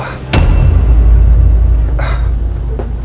tidak pak bos